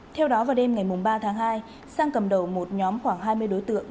theo đó vào đêm ngày ba tháng hai sang cầm đầu một nhóm khoảng hai mươi đối tượng